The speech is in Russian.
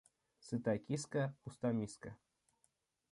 Сыта киска, пуста миска.